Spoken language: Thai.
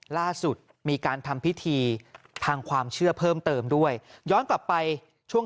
ล่าสุดมีการทำพิธีทางความเชื่อเพิ่มเติมด้วยย้อนกลับไปช่วง